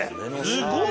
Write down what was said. すごい。